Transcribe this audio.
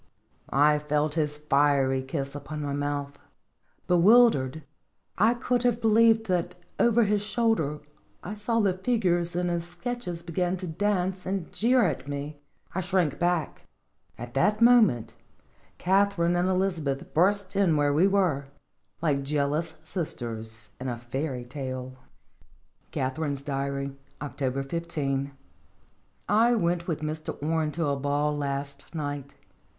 I felt his fiery kiss upon my mouth. Be wildered, I could have believed that over his shoulder I saw the figures in his sketches be gin to dance and jeer at me. I shrank back. At that moment, Katharine and Elizabeth burst in where we were, like jealous sisters in a fairy tale. KATHARINE'S DIARY. October 15. I went with Mr. Orne to a ball last night.